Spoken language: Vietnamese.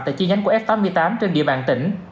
tại chi nhánh của f tám mươi tám trên địa bàn tỉnh